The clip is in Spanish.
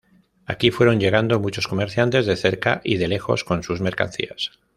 Aquí fueron llegando muchos comerciantes de cerca y de lejos con sus mercancías.